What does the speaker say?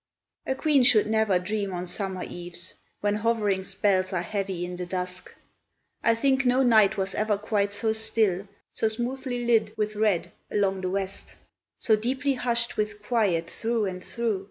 A queen should never dream on summer eves, When hovering spells are heavy in the dusk: I think no night was ever quite so still, So smoothly lit with red along the west, So deeply hushed with quiet through and through.